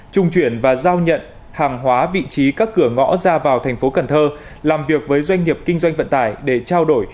trung chuyển và giao nhận hàng hóa vị trí các cửa ngõ ra vào thành phố cần thơ làm việc với doanh nghiệp kinh doanh vận tải để trao đổi